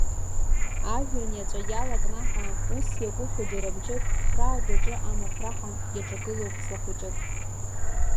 Ажәҩан иаҵәа иалакнаҳа, ус иакушәа џьара мчык, храк агәаҿы, амахә раҳа, иаҿагылоуп ҵла хәыҷык!